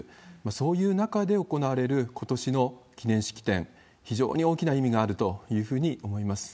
そういう中で行われることしの記念式典、非常に大きな意味があるというふうに思います。